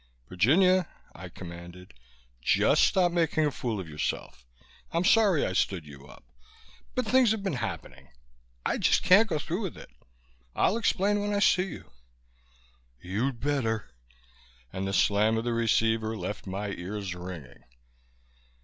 "Virginia," I commanded, "just stop making a fool of yourself. I'm sorry I stood you up but things have been happening. I just can't go through with it. I'll explain when I see you." "You'd better!" And the slam of the receiver left my ears ringing.